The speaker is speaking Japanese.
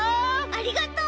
ありがとう！